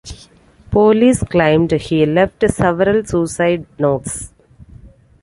Police claimed he left several suicide notes.